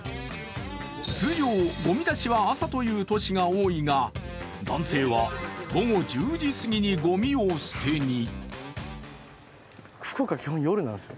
通常、ごみ出しは朝という都市が多いが、男性は午後１０時すぎにごみを捨てに。